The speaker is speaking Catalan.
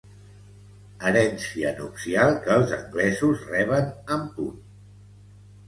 Herència nupcial que els anglesos reben en punt.